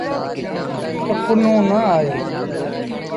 پر پنهون نا آيو۔